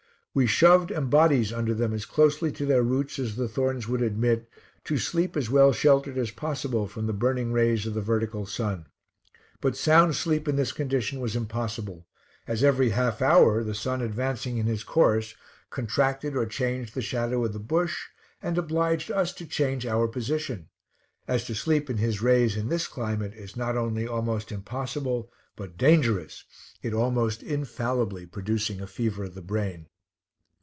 We shoved embodies under them as closely to their roots as the thorns would admit, to sleep as well sheltered as possible from the burning rays of the vertical sun. But sound sleep in this condition was impossible, as every half hour the sun advancing in his course contracted or changed the shadow of the bush, and obliged us to change our position; as to sleep in his rays in this climate is not only almost impossible but dangerous, it almost infallibly producing a fever of the brain.